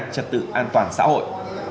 trật tự an toàn xã hội